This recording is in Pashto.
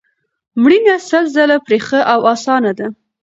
مړینه سل ځله پرې ښه او اسانه ده